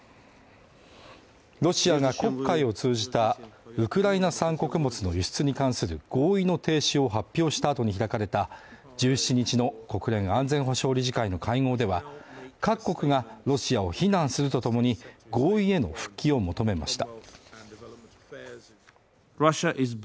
ロシアが黒海を通じたウクライナ産穀物の輸出に関する合意の停止を発表した後に開かれた１７日の国連安全保障理事会の会合では、各国がロシアを非難するとともに合意への復帰を求めました。